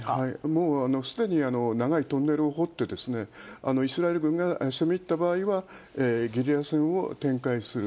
もうすでに長いトンネルを掘って、イスラエル軍が攻め入った場合は、ゲリラ戦を展開する。